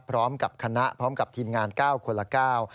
พร้อมกับคณะพร้อมกับทีมงาน๙คนละเก้า